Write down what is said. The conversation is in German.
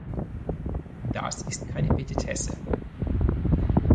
Das ist keine Petitesse.